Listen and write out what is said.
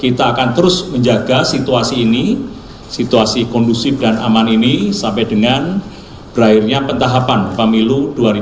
kita akan terus menjaga situasi ini situasi kondusif dan aman ini sampai dengan berakhirnya pentahapan pemilu dua ribu dua puluh